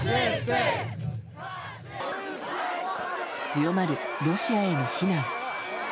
強まるロシアへの非難。